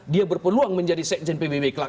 dia berpeluang menjadi sekjen pbb